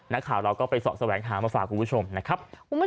นักข่าวเราก็ไปเสาะแสวงหามาฝากคุณผู้ชมนะครับ